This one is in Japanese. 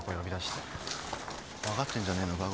分かってんじゃねえのか？